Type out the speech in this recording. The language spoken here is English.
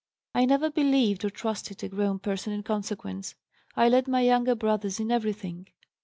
I never believed or trusted a grown person in consequence. I led my younger brothers in everything.